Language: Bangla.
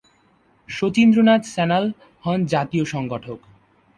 শচীন্দ্রনাথ সান্যাল হন জাতীয় সংগঠক।